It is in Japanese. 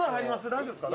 大丈夫ですか？